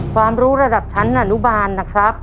ความรู้ระดับชั้นอนุบาลนะครับ